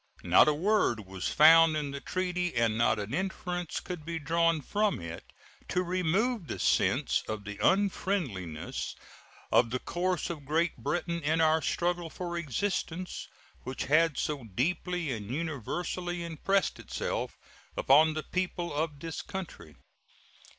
Not a word was found in the treaty, and not an inference could be drawn from it, to remove the sense of the unfriendliness of the course of Great Britain in our struggle for existence, which had so deeply and universally impressed itself upon the people of this country.